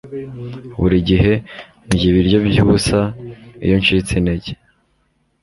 Buri gihe ndya ibiryo byubusa iyo ncitse intege